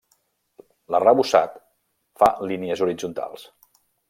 L'arrebossat fa línies horitzontals.